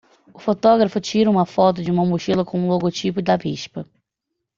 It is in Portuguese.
Um fotógrafo tira uma foto de uma mochila com um logotipo da Vespa.